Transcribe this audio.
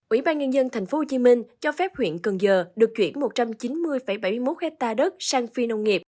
ủy ban nhân dân thành phố hồ chí minh cho phép huyện cần giờ được chuyển một trăm chín mươi bảy mươi một ha đất sang phi nông nghiệp